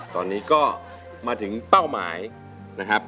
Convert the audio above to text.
ตอนนี้ก็มาถึงเป้าหมายนะครับ